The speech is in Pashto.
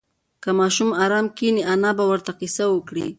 که ماشوم ارام کښېني، انا به ورته قصه وکړي.